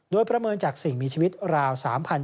โดยประเมินจากสิ่งมีชีวิตราว